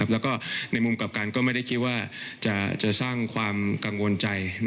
แล้วก็ในมุมกลับกันก็ไม่ได้คิดว่าจะสร้างความกังวลใจ